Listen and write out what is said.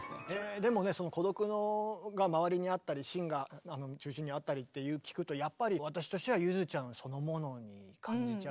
でもねその孤独が周りにあったり芯が中心にあったりって聞くとやっぱり私としてはゆづちゃんそのものに感じちゃう。